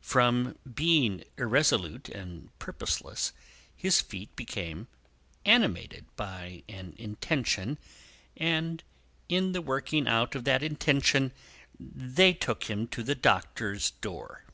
From being irresolute and purposeless, his feet became animated by an intention, and, in the working out of that intention, they took him to the Doctor's door.